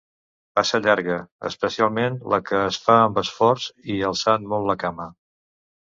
Passa llarga, especialment la que es fa amb esforç i alçant molt la cama.